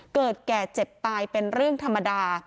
เกิดแก่เจ็บตายเป็นเรื่องธรรมดา